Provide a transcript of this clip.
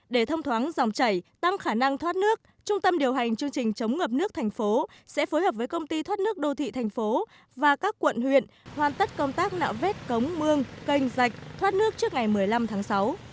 để thông thoáng dòng chảy tăng khả năng thoát nước trung tâm điều hành chương trình chống ngập nước thành phố sẽ phối hợp với công ty thoát nước đô thị thành phố và các quận huyện hoàn tất công tác nạo vét cống mương canh rạch thoát nước trước ngày một mươi năm tháng sáu